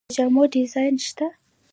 د جامو ډیزاینران شته؟